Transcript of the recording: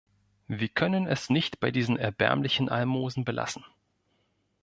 Wir können es nicht bei diesen erbärmlichen Almosen belassen.